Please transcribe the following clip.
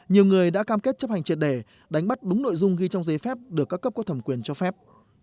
nhiều người đã cam kết chấp hành triệt đề đánh bắt đúng nội dung ghi trong giấy phép được các cấp có thẩm quyền cho phép